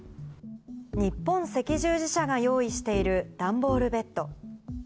日本赤十字社が用意している段ボールベッド。